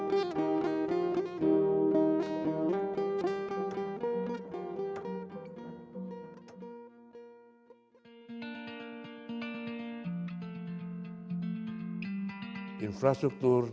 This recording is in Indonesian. jalan nasional paralel